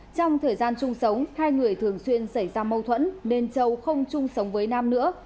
trong thời gian chung sống hai người thường xuyên xảy ra mâu thuẫn nên châu không chung sống với nam nữa